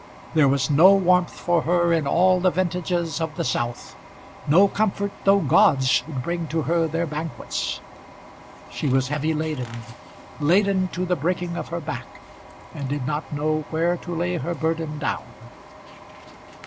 There was no warmth for her in all the vintages of the south, no comfort though gods should bring to her their banquets. She was heavy laden, laden to the breaking of her back, and did not know where to lay her burden down.